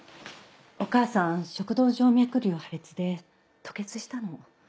お母さん食道静脈瘤破裂で吐血したの。